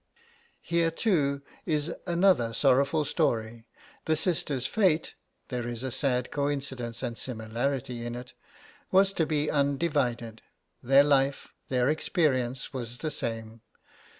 Here, too, is another sorrowful story. The sisters' fate (there is a sad coincidence and similarity in it) was to be undivided; their life, their experience was the same.